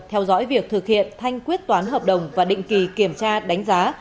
theo dõi việc thực hiện thanh quyết toán hợp đồng và định kỳ kiểm tra đánh giá